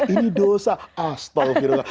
ini dosa astagfirullah